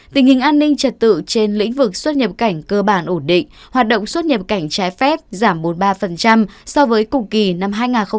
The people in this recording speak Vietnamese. tình hình an ninh trật tự trên lĩnh vực xuất nhập cảnh cơ bản ổn định hoạt động xuất nhập cảnh trái phép giảm bốn mươi ba so với cùng kỳ năm hai nghìn hai mươi ba